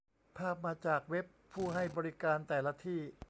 ภาพมาจากเว็บผู้ให้บริการแต่ละที่